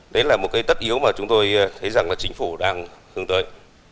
đấy là một tất yếu mà chúng tôi thấy rằng chính phủ đang hướng tới